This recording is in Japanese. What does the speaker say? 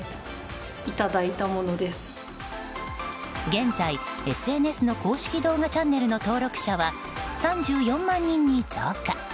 現在、ＳＮＳの公式動画チャンネルの登録者は３４万人に増加。